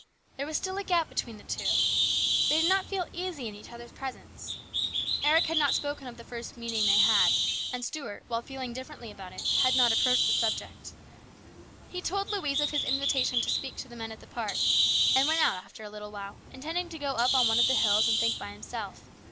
There was still a gap between the two. They did not feel easy in each other's presence. Eric had not spoken of the first meeting they had, and Stuart, while feeling differ ently about it, had not approached the subject He told Louise of his invitation to speak to the men at the park, and went out after a little while, intending to go up on one of the hills and think by himself.